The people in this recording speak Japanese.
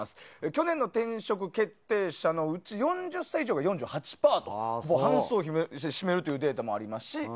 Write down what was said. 去年の転職決定者のうち４０歳以上が４８％と半数を占めるというデータもありますし